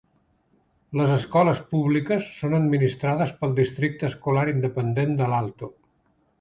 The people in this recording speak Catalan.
Les escoles públiques són administrades pel districte escolar independent de l'Alto.